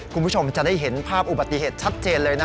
คุณผู้ชมจะได้เห็นภาพอุบัติเหตุชัดเจนเลยนะ